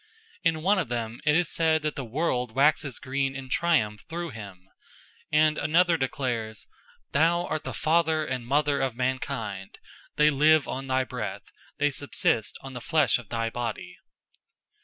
In one of them it is said that the world waxes green in triumph through him; and another declares, "Thou art the father and mother of mankind, they live on thy breath, they subsist on the flesh of thy body."